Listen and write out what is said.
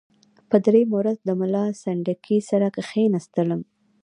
په دریمه ورځ له ملا سنډکي سره کښېنستلم.